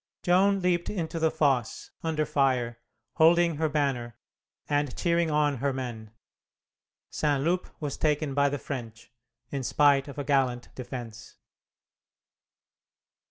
Joan leaped into the fosse, under fire, holding her banner, and cheering on her men. St. Loup was taken by the French, in spite of a gallant defence.